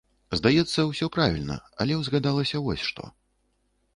Здаецца, усё правільна, але ўзгадалася вось што.